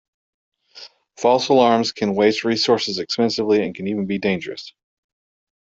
False alarms can waste resources expensively and can even be dangerous.